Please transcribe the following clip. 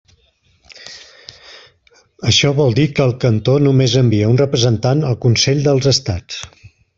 Això vol dir que el cantó només envia un representant al Consell dels Estats.